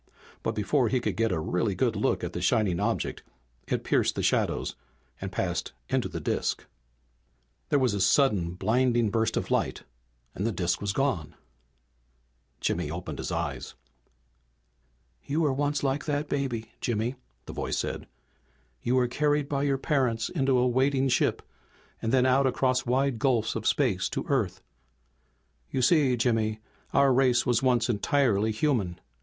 But before he could get a really good look at the shining object it pierced the shadows and passed into the disk. There was a sudden, blinding burst of light, and the disk was gone. Jimmy opened his eyes. "You were once like that baby, Jimmy!" the voice said. "You were carried by your parents into a waiting ship, and then out across wide gulfs of space to Earth. "You see, Jimmy, our race was once entirely human.